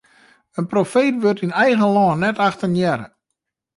In profeet wurdt yn eigen lân net achtenearre.